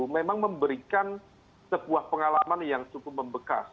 memang memberikan sebuah pengalaman yang cukup membekas